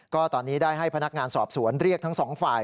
ก็ตอนนี้ได้ให้พนักงานสอบสวนเรียกทั้งสองฝ่าย